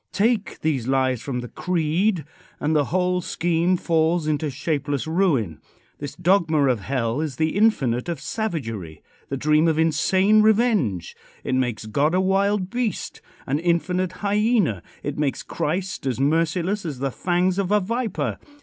Take these lies from the creed and the whole scheme falls into shapeless ruin. This dogma of hell is the infinite of savagery the dream of insane revenge. It makes God a wild beast an infinite hyena. It makes Christ as merciless as the fangs of a viper.